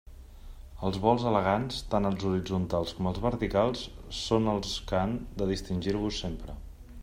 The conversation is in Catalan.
Els vols elegants, tant els horitzontals com els verticals, són els que han de distingir-vos sempre.